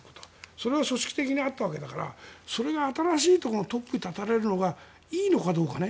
それが組織的にあったわけだからそれを新しいところのトップに立たれるのがいいのかどうかね。